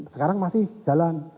sekarang masih jalan